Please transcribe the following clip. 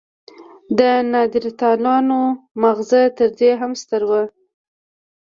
د نایندرتالانو مغز تر دې هم ستر و.